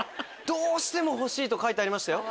「どうしても欲しい」と書いてありましたよ。